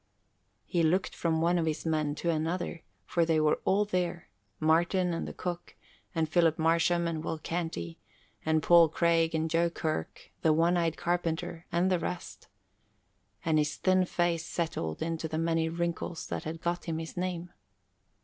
He looked from one of his men to another, for they were all there, Martin and the cook, and Philip Marsham and Will Canty, and Paul Craig and Joe Kirk, the one eyed carpenter and the rest, and his thin face settled into the many wrinkles that had got him his name.